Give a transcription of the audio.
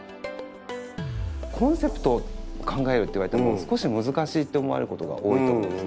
コンセプトを考えろって言われても少し難しいって思われることが多いと思うんですね。